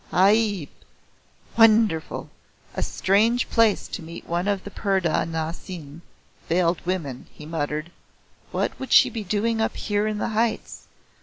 "Ajaib! (Wonderful!) A strange place to meet one of the purdah nashin (veiled women)" he muttered. "What would she be doing up here in the heights?